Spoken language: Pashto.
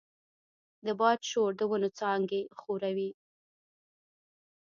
د باد شور د ونو څانګې ښوروي.